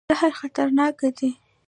زهر خطرناک دی.